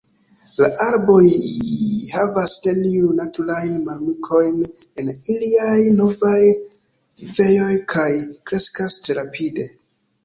La arboj havas neniujn naturajn malamikojn en iliaj novaj vivejoj kaj kreskas tre rapide.